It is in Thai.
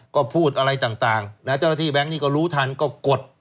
ก็พูดอะไรต่างนะเจ้าหน้าที่แบงค์นี้ก็รู้ทันก็กด